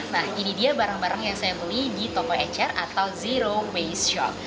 nah ini dia barang barang yang saya beli di toko ecer atau zero waste shop